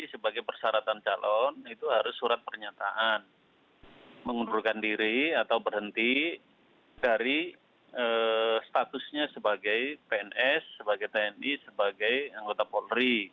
sebagai persyaratan calon itu harus surat pernyataan mengundurkan diri atau berhenti dari statusnya sebagai pns sebagai tni sebagai anggota polri